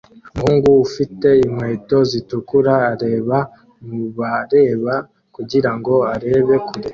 Umuhungu ufite inkweto zitukura areba mubareba kugirango arebe kure